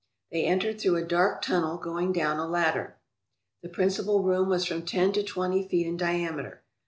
They entered through a dark tunnel, going down a ladder. The principal room was from ten to twenty feet in dia meter.